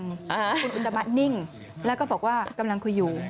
คุณอุตมะนิ่งแล้วก็บอกว่ากำลังคุยอยู่